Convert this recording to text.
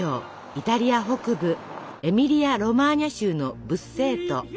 イタリア北部エミリア・ロマーニャ州のブッセート。